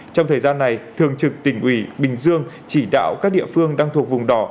trong thời gian này thường trực tỉnh ủy bình dương chỉ đạo các địa phương đang thuộc vùng đỏ